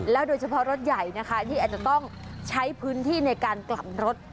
โดยเฉพาะรถใหญ่นะคะที่อาจจะต้องใช้พื้นที่ในการกลับรถ